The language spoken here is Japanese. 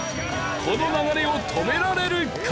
この流れを止められるか？